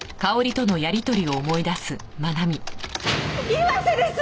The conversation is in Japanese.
岩瀬です。